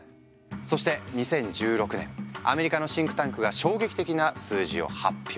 そして２０１６年アメリカのシンクタンクが衝撃的な数字を発表。